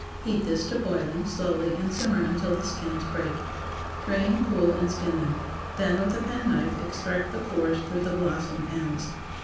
Heat this to boiling, slowly, and simmer until the skins break. Drain, cool, and skin them; then, with a penknife, extract the cores through the blossom ends.